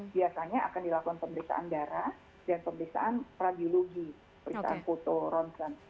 biasanya akan dilakukan pemeriksaan darah dan pemeriksaan prabiologi pemeriksaan foto ronsen